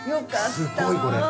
すごい！これ。